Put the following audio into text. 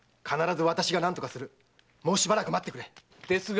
もうしばらく待ってくれ！ですが！